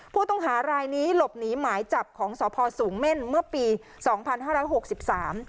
ผู้ต้องหารายนี้หลบหนีหมายจับของสพสูงเม่นเมื่อปีสองพันห้าร้อยหกสิบสาม